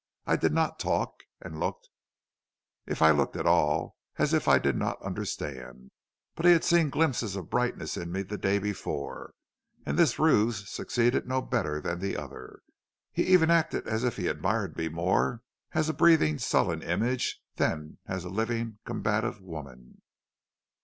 I did not talk, and looked, if I looked at all, as if I did not understand. But he had seen glimpses of brightness in me the day before, and this ruse succeeded no better than the other. He even acted as if he admired me more as a breathing, sullen image than as a living, combative woman.